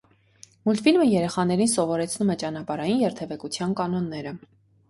Մուլտֆիլմը երեխաներին սովորեցնում է ճանապարհային երթևեկության կանոնները։